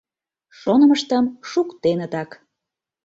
Шонымыштым шуктенытак...